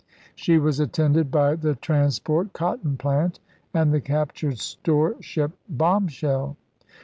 She was attended by the trans port Cotton Plant, and the captured storeship Bomb shell.